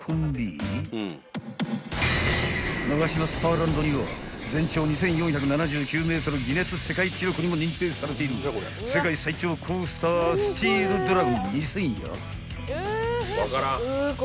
［ナガシマスパーランドには全長２，４７９ｍギネス世界記録にも認定されている世界最長コースタースチールドラゴン２０００や］